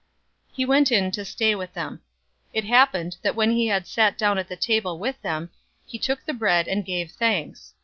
He went in to stay with them. 024:030 It happened, that when he had sat down at the table with them, he took the bread and gave thanks.